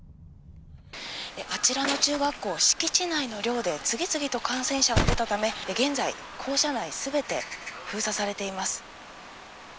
あちらの中学校、敷地内の寮で次々と感染者が出たため、現在、校舎内すべて封鎖されています。